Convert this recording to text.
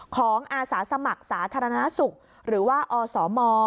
อาสาสมัครสาธารณสุขหรือว่าอสม